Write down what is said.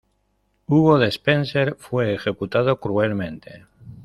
Hugo Despenser fue ejecutado cruelmente.